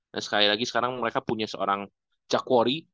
dan sekali lagi sekarang mereka punya seorang jack quarry